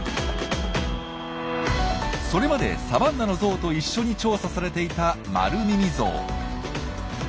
それまでサバンナのゾウと一緒に調査されていたマルミミゾウ。